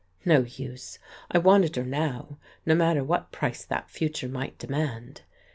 No use! I wanted her now, no matter what price that future might demand.